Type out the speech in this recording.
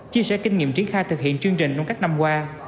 chia sẻ kinh nghiệm triển khai thực hiện chương trình trong các năm qua